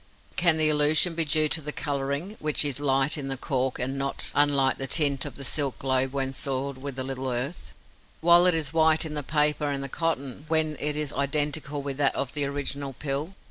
Can the illusion be due to the colouring, which is light in the cork and not unlike the tint of the silk globe when soiled with a little earth, while it is white in the paper and the cotton, when it is identical with that of the original pill?